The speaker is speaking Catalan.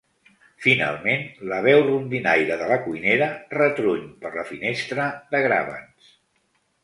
Finalment, la veu rondinaire de la cuinera retruny per la finestra de gràvens.